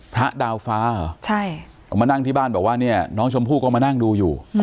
พระดาวฟ้าเหรอมานั่งที่บ้านบอกว่าเนี่ยน้องชมพู่ก็มานั่งดูอยู่